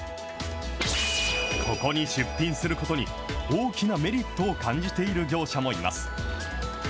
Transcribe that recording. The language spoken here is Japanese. ここに出品することに、大きなメリットを感じている業者もいます。